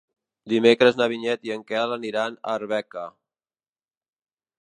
Dimecres na Vinyet i en Quel aniran a Arbeca.